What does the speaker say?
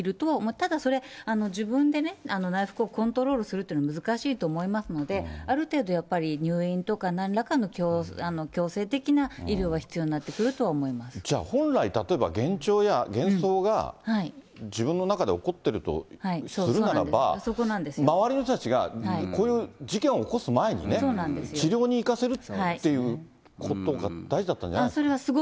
ただそれ、自分でね、内服をコントロールするというのは難しいと思いますので、ある程度やっぱり入院とかなんらかの強制的な医療が必要になってじゃあ本来、例えば幻聴や幻想が自分の中で起こってるとするならば、周りの人たちがこういう事件を起こす前にね、治療に行かせるっていうことが大事だったんじゃないですか。